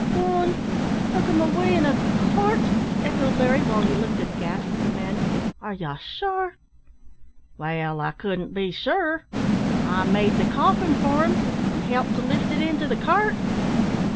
"Gone! took him away in a cart!" echoed Larry, while he looked aghast at the man. "Are ye sure?" "Wall, I couldn't be surer. I made the coffin for 'em, and helped to lift it into the cart."